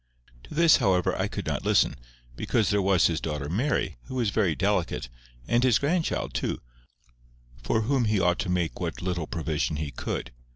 To this, however, I could not listen, because there was his daughter Mary, who was very delicate, and his grandchild too, for whom he ought to make what little provision he could.